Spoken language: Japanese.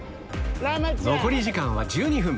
残り時間は１２分